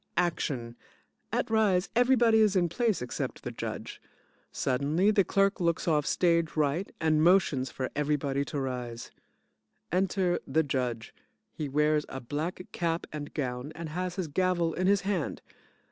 ACTION: At rise everybody is in place except the Judge. Suddenly the CLERK looks off stage right and motions for everybody to rise. Enter the JUDGE. He wears a black cap and gown and has his gavel in his hand.